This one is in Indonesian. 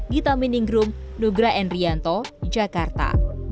gita meninggrum nugra endrianto jakarta